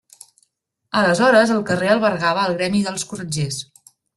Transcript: Aleshores el carrer albergava el gremi dels corretgers.